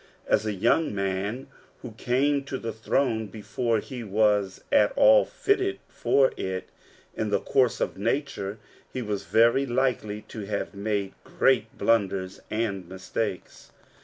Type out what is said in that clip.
As a young man who came to a throne before he was at all fitted for it in the course of nature, he was very likely to have made great blunders and mistakes.